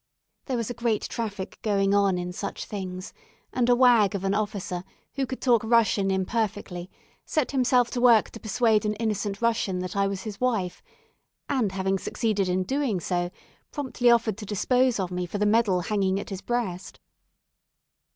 There was a great traffic going on in such things, and a wag of an officer, who could talk Russian imperfectly, set himself to work to persuade an innocent Russian that I was his wife, and having succeeded in doing so promptly offered to dispose of me for the medal hanging at his breast.